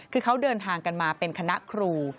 คือเขาเดินทางกันมาเป็นคณะครู